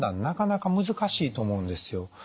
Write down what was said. なかなか難しいと思うんですよ。